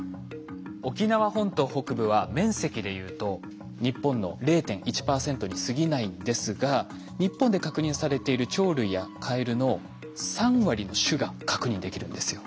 沖縄本島北部は面積でいうと日本の０．１％にすぎないんですが日本で確認されている鳥類やカエルの３割の種が確認できるんですよ。